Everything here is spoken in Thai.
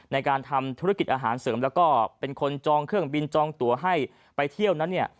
ในการทำธุรกิจอาหารเสริมแล้วก็เป็นคนจองเครื่องบินจองตัวให้ไปเที่ยวนั้นเนี่ย